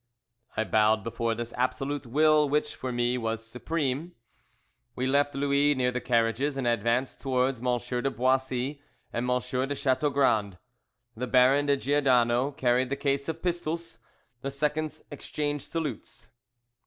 I bowed before this absolute will, which for me was supreme. We left Louis near the carriages, and advanced towards M. de Boissy and M. de Chateaugrand. The Baron de Giordano carried the case of pistols. The seconds exchanged salutes.